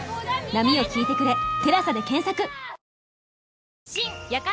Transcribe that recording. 「波よ聞いてくれテラサ」で検索！